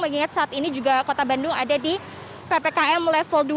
mengingat saat ini juga kota bandung ada di ppkm level dua